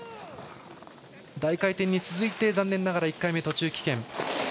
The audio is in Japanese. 大回転に続いて残念ながら１回目、途中棄権。